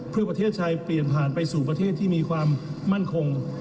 เพื่อประเทศไทยเปลี่ยนผ่านไปสู่ประเทศที่มีความมั่นคง